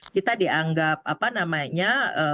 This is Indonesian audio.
kita dianggap apa namanya